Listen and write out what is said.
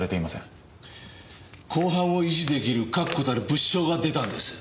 公判を維持出来る確固たる物証が出たんです。